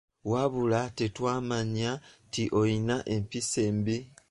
Wabula tetwamanya nti olina empisa embi.